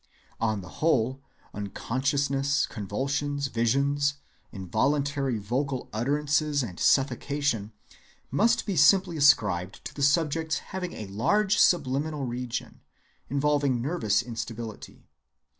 On the whole, unconsciousness, convulsions, visions, involuntary vocal utterances, and suffocation, must be simply ascribed to the subject's having a large subliminal region, involving nervous instability.